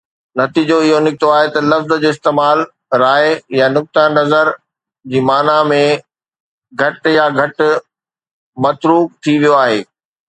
نتيجو اهو نڪتو آهي ته لفظ جو استعمال راءِ يا نقطهءِ نظر جي معنيٰ ۾ گهٽ يا گهٽ متروڪ ٿي ويو آهي.